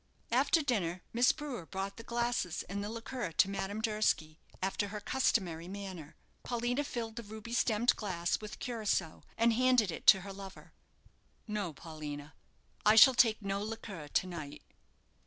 After dinner, Miss Brewer brought the glasses and the liqueur to Madame Durski, after her customary manner. Paulina filled the ruby stemmed glass with curaçoa, and handed it to her lover. "No, Paulina, I shall take no liqueur to night."